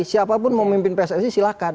siapapun memimpin pssi silahkan